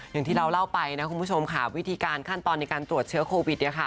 อย่างที่เราเล่าไปนะคุณผู้ชมค่ะวิธีการขั้นตอนในการตรวจเชื้อโควิด